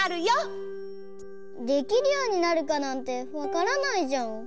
できるようになるかなんてわからないじゃん。